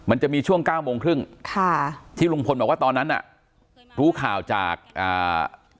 มันจะมีช่วงเก้าโมงครึ่งค่ะที่ลุงพลบอกว่าตอนนั้นน่ะรู้ข่าวจากอ่า